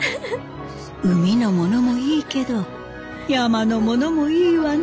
海のものもいいけど山のものもいいわね。